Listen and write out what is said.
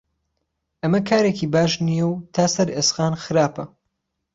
ئهمه کارێکی باش نییە و تا سەر ئێسقان خراپە